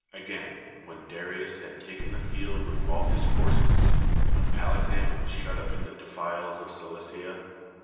Again, when Darius had fallen fhe field with all his forces; when Alexander was shut up in the defiles of Cilieia. and.